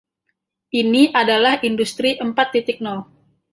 Ini adalah industri empat titik nol.